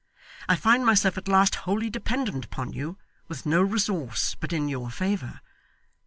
I find myself at last wholly dependent upon you, with no resource but in your favour.